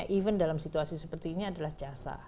even dalam situasi seperti ini adalah jasa